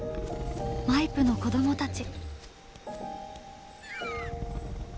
マイプの子どもたち。